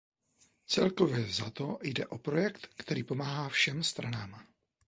Celkově vzato jde o projekt, který pomáhá všem stranám.